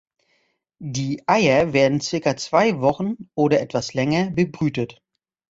Die Eier werden circa zwei Wochen oder etwas länger bebrütet.